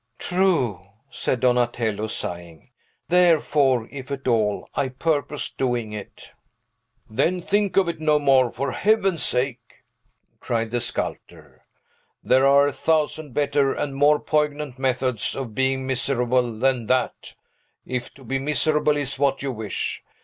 "True," said Donatello, sighing. "Therefore, if at all, I purpose doing it." "Then think of it no more, for Heaven's sake!" cried the sculptor. "There are a thousand better and more poignant methods of being miserable than that, if to be miserable is what you wish.